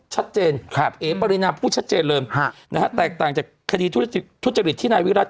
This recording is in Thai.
ชัดเจนเอ๋ปรินาพูดชัดเจนเลยแตกต่างจากคดีทุจริตที่นายวิรัติ